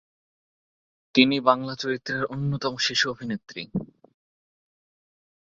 তিনি বাংলা চলচ্চিত্রের অন্যতম শিশু অভিনেত্রী।